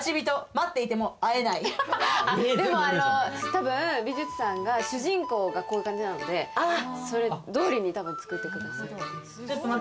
多分、美術さんが、主人公がこういう感じなので、それ通りに作ってくださっている。